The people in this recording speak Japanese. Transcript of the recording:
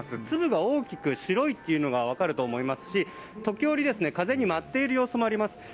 粒が大きく白いのが分かると思いますし時折、風に舞っている様子もあります。